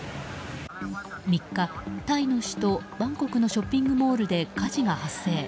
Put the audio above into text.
３日、タイの首都バンコクのショッピングモールで火事が発生。